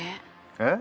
えっ。